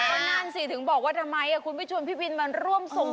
ก็นั่นสิถึงบอกว่าทำไมคุณไม่ชวนพี่วินมาร่วมส่ง